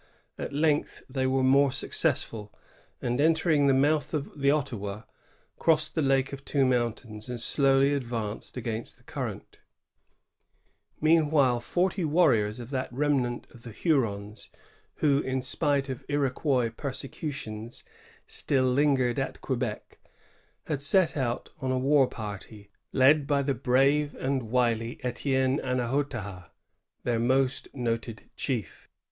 At length they were more successful, and entering the mouth of the Ottawa, crossed the Lake of Two Mountains, and slowly advanced against the current Meanwhile, forty warriors of that remnant of the Hurons who, in spite of Iroquois persecutions, still lingered at Quebec, h^ set out on a war party, led by the brave and wily Etienne Annahotaha, their most noted chief.